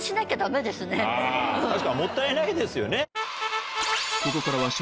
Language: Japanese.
確かにもったいないですよね。